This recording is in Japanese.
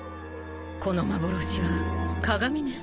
この幻は鏡ね。